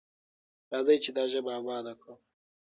راځئ چې دا ژبه اباده کړو.